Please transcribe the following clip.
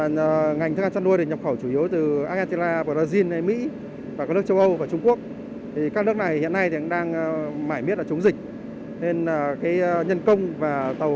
ngành thức ăn chăn nuôi được nhập khẩu chủ yếu từ argentina brazil mỹ và các nước châu âu và